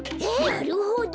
なるほど！